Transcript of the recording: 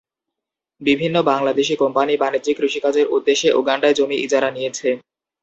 বিভিন্ন বাংলাদেশি কোম্পানি বাণিজ্যিক কৃষিকাজের উদ্দেশ্যে উগান্ডায় জমি ইজারা নিয়েছে।